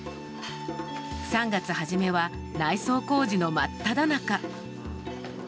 ３月初めは内装工事の真っただ中。